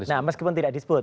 nah meskipun tidak disebut